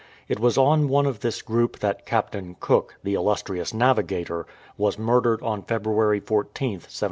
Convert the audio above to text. It was on one of this group that Captain Cook, the illustrious navigator, was murdered on February 14th, 1779.